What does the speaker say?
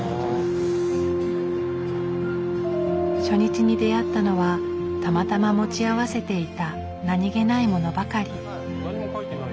初日に出会ったのはたまたま持ち合わせていた何気ないモノばかり。